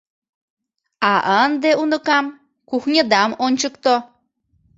А ынде, уныкам, кухньыдам ончыкто.